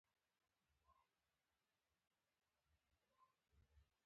او نړیوالي ټولني ته په غوصه دی!